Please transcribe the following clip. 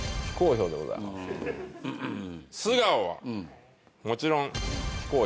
素顔はもちろん。